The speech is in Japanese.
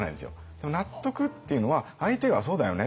でも納得っていうのは相手が「そうだよね。